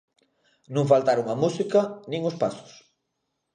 Non faltaron a música nin os pasos.